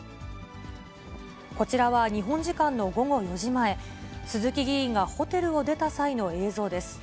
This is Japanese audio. こちらは、日本時間の午後４時前、鈴木議員がホテルを出た際の映像です。